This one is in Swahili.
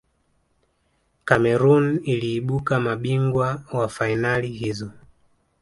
cameroon iliibuka mabingwa wa fainali hizo